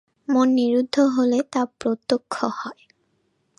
মন নিরুদ্ধ হলে তা প্রত্যক্ষ হয়।